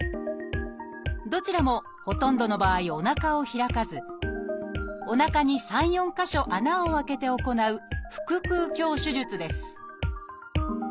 どちらもほとんどの場合おなかを開かずおなかに３４か所穴を開けて行う腹くう鏡手術です